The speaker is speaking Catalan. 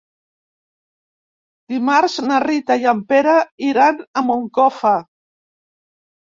Dimarts na Rita i en Pere iran a Moncofa.